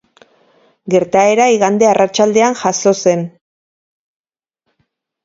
Gertaera igande arratsaldean jazo zen.